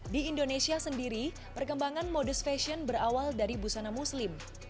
di indonesia sendiri perkembangan modus fashion berawal dari busana muslim